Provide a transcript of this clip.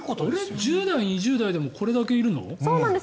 １０代、２０代でもこれだけいるの？